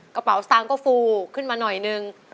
กระเป๋าสตางค์ก็ฟูขึ้นมาหน่อยนึง